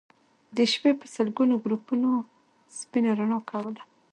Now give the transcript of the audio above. د شپې به سلګونو ګروپونو سپينه رڼا کوله